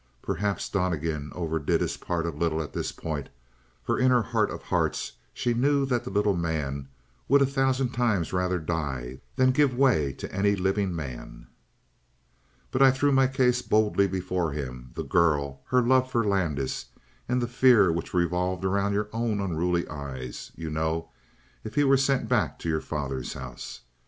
Perhaps Donnegan overdid his part a little at this point, for in her heart of hearts she knew that the little man would a thousand times rather die than give way to any living man. "But I threw my case bodily before him the girl her love for Landis and the fear which revolved around your own unruly eyes, you know, if he were sent back to your father's house.